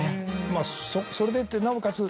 まぁそれでいてなおかつ